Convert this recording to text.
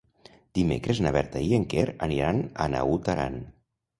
Dimecres na Berta i en Quer aniran a Naut Aran.